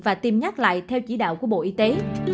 và tiêm nhắc lại theo chỉ đạo của bộ y tế